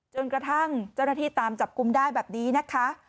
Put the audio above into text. จนกระทั่งเจ้าหน้าที่ตามจับกลุ่มได้แบบนี้นะคะ